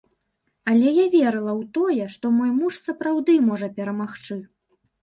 Але я верыла ў тое, што мой муж сапраўды можа перамагчы.